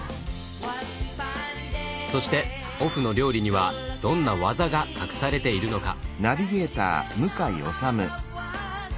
そしてオフの料理にはどんな技が隠されているのか？